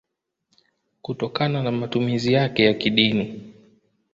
kutokana na matumizi yake ya kidini.